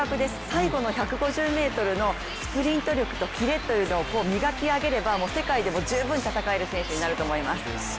最後の１５０ｍのスプリント力とキレを磨き上げれば世界でも十分に戦える選手になると思います。